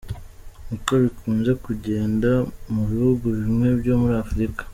Niko bikunze kugenda mu bihugu bimwe byo muri Afurika.